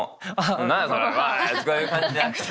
「何やそれおい」とかいう感じじゃなくて。